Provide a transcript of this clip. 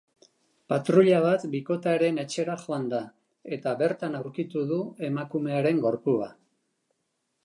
Patruila bat bikotearen etxera joan da, eta bertan aurkitu du emakumearen gorpua.